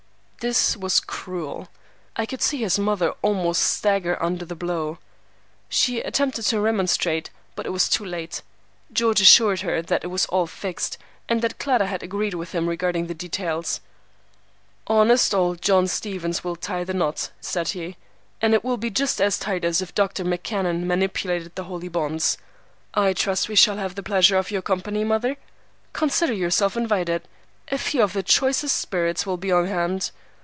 This was cruel. I could see his mother almost stagger under the blow. She attempted to remonstrate, but it was too late. George assured her that "it was all fixed," and that Clara had agreed with him regarding the details. "Honest old John Stephens will tie the knot," said he, "and it will be just as tight as if Dr. McCanon manipulated the holy bonds. I trust we shall have the pleasure of your company, mother. Consider yourself invited. A few of the choicest spirits will be on hand.